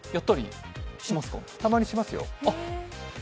たまにしますよ。